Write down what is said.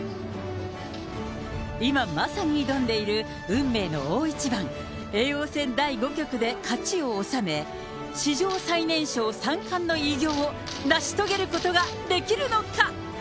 今、まさに挑んでいる運命の大一番、叡王戦第５局で勝ちを収め、史上最年少三冠の偉業を成し遂げることができるのか。